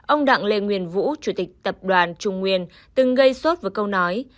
ông đặng lê nguyên vũ chủ tịch tập đoàn trung nguyên từng gây sốt với câu nói